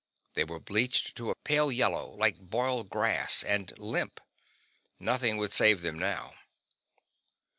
They were bleached to a pale yellow, like boiled grass, and limp. Nothing would save them now.